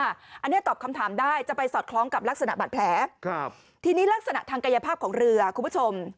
อันนี้ตอบคำถามได้จะไปสอดคล้องกับลักษณะบาดแผลครับทีนี้ลักษณะทางกายภาพของเรือคุณผู้ชม